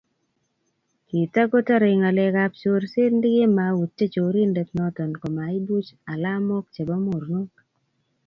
Kitagotare ngalekab chorset ndikimautye chorindet noto komaibuch alamok chebo mornok---